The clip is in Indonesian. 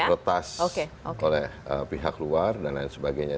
retas oleh pihak luar dan lain sebagainya